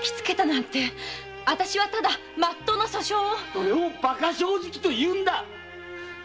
それをバカ正直というんだ！